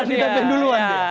harus kita ban duluan ya